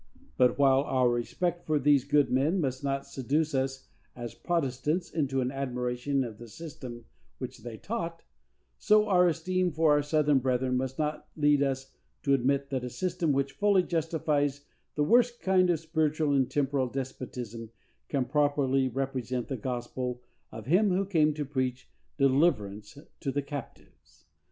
But, while our respect for these good men must not seduce us as Protestants into an admiration of the system which they taught, so our esteem for our Southern brethren must not lead us to admit that a system which fully justifies the worst kind of spiritual and temporal despotism can properly represent the gospel of him who came to preach deliverance to the captives.